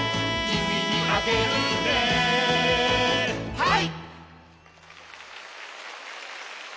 はい！